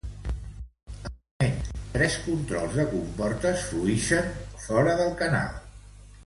Almenys, tres controls de comportes fluïxen fora del canal.